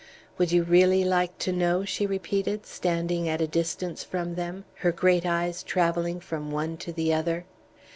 "Would you really like to know?" she repeated, standing at a distance from them, her great eyes travelling from one to the other.